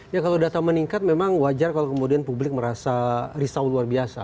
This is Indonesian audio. ya kalau data meningkat memang wajar kalau kemudian publik merasa risau luar biasa